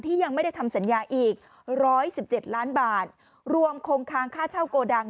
ยังไม่ได้ทำสัญญาอีก๑๑๗ล้านบาทรวมคงค้างค่าเช่าโกดัง